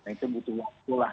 itu butuh waktu lah